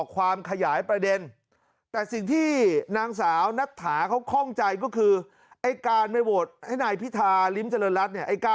๖การไม่โหวตให้พิธาริมเจริรัส